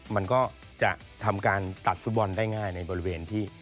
มันก็จะทำการตัดฟุตบอลได้ง่ายในบริเวณที่